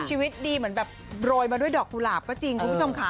ชีวิตดีเหมือนแบบโรยมาด้วยดอกกุหลาบก็จริงคุณผู้ชมค่ะ